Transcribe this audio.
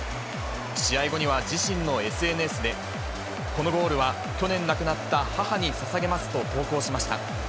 試合後には、自身のＳＮＳで、このゴールは、去年亡くなった母にささげますと投稿しました。